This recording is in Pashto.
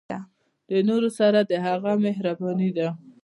د نورو سره د هغه مهرباني ده.